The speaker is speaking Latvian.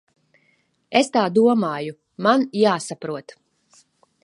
Es tā domāju. Man jāsaprot.